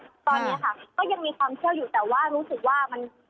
ตอนนี้ค่ะก็ยังมีความเชื่ออยู่แต่ว่ารู้สึกว่ามัน